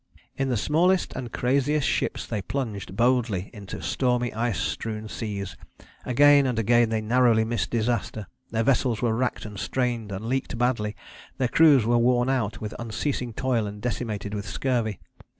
"In the smallest and craziest ships they plunged boldly into stormy ice strewn seas; again and again they narrowly missed disaster; their vessels were racked and strained and leaked badly, their crews were worn out with unceasing toil and decimated with scurvy.